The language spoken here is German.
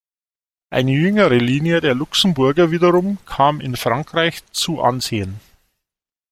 Eine jüngere Linie der Luxemburger wiederum kam in Frankreich zu Ansehen.